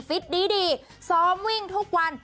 ฟิตดีซ้อมวิ่งทุกวัน